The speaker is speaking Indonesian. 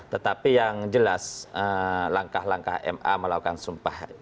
tetapi yang jelas langkah langkah ma melakukan sumpah